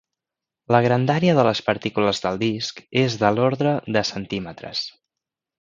La grandària de les partícules del disc és de l'ordre de centímetres.